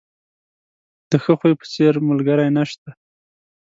د ښه خوی په څېر، ملګری نشته.